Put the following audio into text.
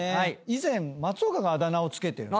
以前松岡があだ名を付けてる。